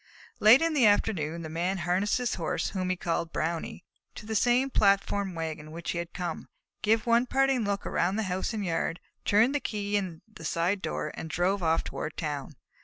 Late in the afternoon, the Man harnessed his Horse, whom he called Brownie, to the same platform wagon in which he had come, gave one parting look all around the house and yard, turned the key in the side door, and drove off toward town.